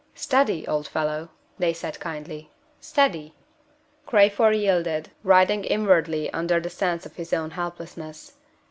"Steady, old fellow!" they said kindly "steady!" Crayford yielded, writhing inwardly under the sense of his own helplessness.